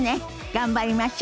頑張りましょ！